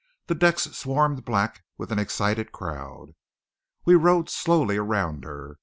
The decks swarmed black with an excited crowd. We rowed slowly around her.